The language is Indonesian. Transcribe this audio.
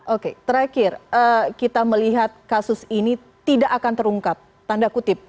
oke terakhir kita melihat kasus ini tidak akan terungkap tanda kutip